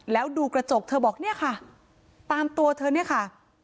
แล้วดูกระจกเธอบอกเนี่ยค่ะตามตัวเธอเนี่ยค่ะ